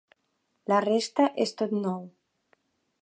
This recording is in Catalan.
La resta és tot nou.